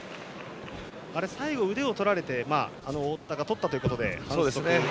最後、腕を取られて太田が取ったということで反則で。